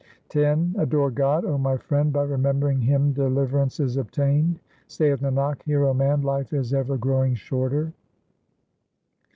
X Adore God, O my friend, by remembering Him deliver ance is obtained ; Saith Nanak, hear, O man, life is ever growing shorter.